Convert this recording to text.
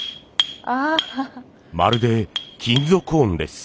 まるで金属音です。